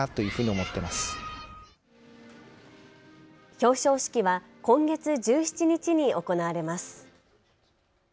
表彰式は今月１７日に行われます。